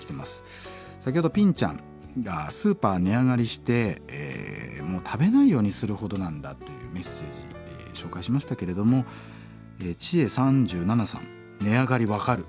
先ほどピンちゃんがスーパー値上がりしてもう食べないようにするほどなんだというメッセージ紹介しましたけれどもチエ３７さん「値上がり分かる。